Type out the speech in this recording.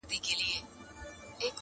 سل یې نوري ورسره وې سهیلیاني!.